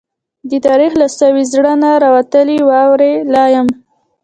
د تاريخ له سوي زړه نه، راوتلې واوي لا يم